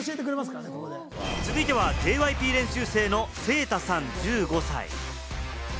続いてはＪＹＰ練習生のセイタさん、１５歳。